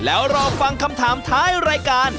แล้วรอฟังคำถามท้ายรายการ